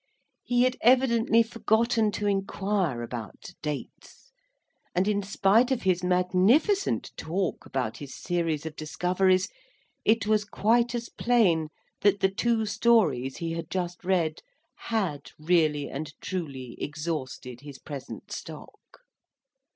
He had evidently forgotten to inquire about dates; and, in spite of his magnificent talk about his series of discoveries, it was quite as plain that the two stories he had just read, had really and truly exhausted his present stock.